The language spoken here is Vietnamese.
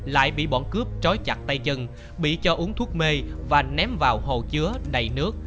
lại bị bọn cướp trói chặt tay chân bị cho uống thuốc mê và ném vào hồ chứa đầy nước